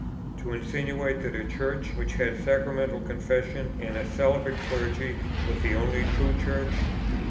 To insinuate that a Church which had sacramental confession and a celibate clergy was the only true Church?